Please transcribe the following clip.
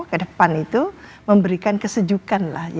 ke depan itu memberikan kesejukan lah